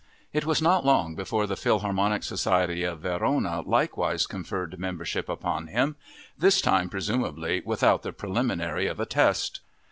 It was not long before the Philharmonic Society of Verona likewise conferred membership upon him—this time presumably without the preliminary of a test.